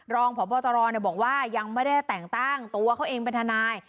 รองพบตรบอกว่ายังไม่ได้แต่งตั้งตัวเขาเองเป็นทนาย